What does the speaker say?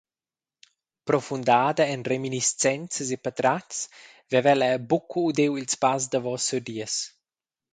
Profundada en reminiscenzas e patratgs veva ella buc udiu ils pass davos siu dies.